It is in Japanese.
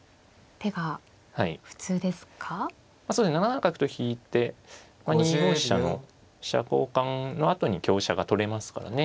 ７七角と引いて２五飛車の飛車交換のあとに香車が取れますからね。